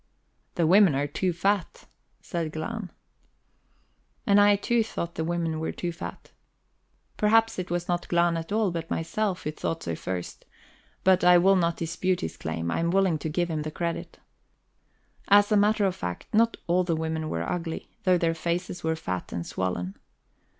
"The women are too fat," said Glahn. And I too thought the women were too fat. Perhaps it was not Glahn at all, but myself, who thought so first; but I will not dispute his claim I am willing to give him the credit. As a matter of fact, not all the women were ugly, though their faces were fat and swollen.